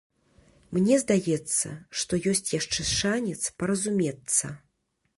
Мне здаецца, што ёсць яшчэ шанец паразумецца.